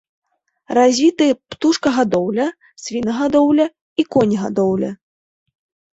Развіты птушкагадоўля, свінагадоўля і конегадоўля.